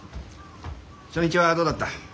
初日はどうだった？